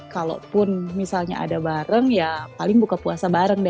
kalau pun misalnya ada bareng ya paling buka puasa bareng